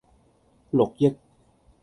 六億